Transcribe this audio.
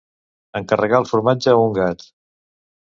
Encarregar el formatge a un gat.